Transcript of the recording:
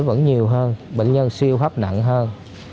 vẫn nhiều hơn bệnh nhân siêu hấp nặng hơn